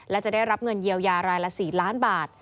และจะได้รับเงินเยียวยารายละ๔ล้านบาท